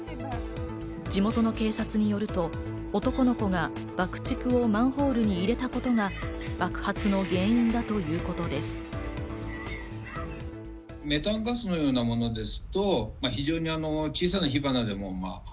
地元の警察によると、男の子が爆竹をマンホールに入れたことが爆発の原因だということです。